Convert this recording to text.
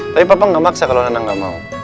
tapi papa nggak maksa kalau nanang nggak mau